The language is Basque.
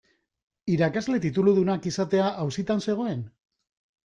Irakasle tituludunak izatea auzitan zegoen?